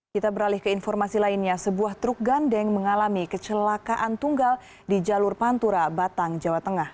kita beralih ke informasi lainnya sebuah truk gandeng mengalami kecelakaan tunggal di jalur pantura batang jawa tengah